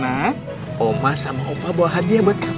oma sama opa bawa hadiah buat kamu